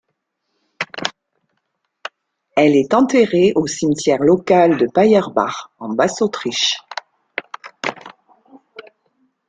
Elle est enterrée au cimetière local de Payerbach en Basse-Autriche.